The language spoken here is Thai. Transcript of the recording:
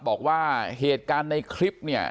บอกว่าเหตุการณ์ในคลิปเนี่ย